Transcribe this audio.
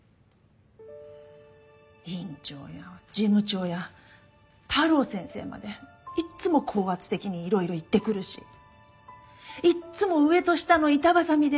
院長や事務長や太郎先生までいっつも高圧的にいろいろ言ってくるしいっつも上と下の板挟みで。